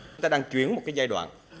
chúng ta đang chuyển một cái giai đoạn